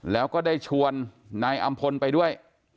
แล้วก็ได้ชวนนายอำพลไปด้วย